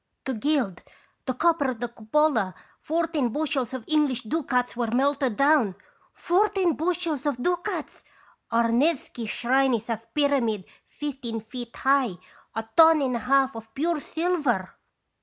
" To gild the copper of the cupola fourteen bushels of English ducats were melted down. Fourteen bushels of ducats! Our Nevsky shrine is a pyramid fifteen feet high, a ton and a half of pure silver!